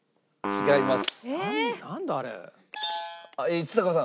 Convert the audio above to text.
違います。